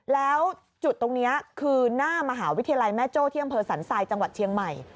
แล้วจุดตรงนี้คือหน้ามหาวิทยาลัยแม่โจ้ที่อำเภอสันทรายจังหวัดเชียงใหม่